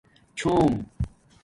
چݸم